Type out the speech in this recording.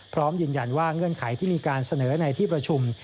พร้อมยืนยันว่าเงื่อนไขที่มีการเสนอในที่ประชุม